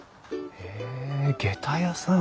へえげた屋さん。